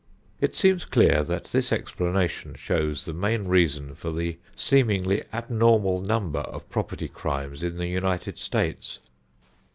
It seems clear that this explanation shows the main reason for the seemingly abnormal number of property crimes in the United States.